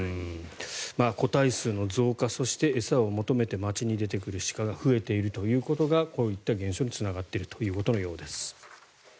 個体数の増加、そして餌を求めて街に出てくる鹿が増えているということがこういった減少につながっているということのようです。